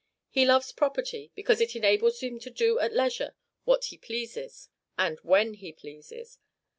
He loves property, because it enables him to do at leisure what he pleases and when he pleases.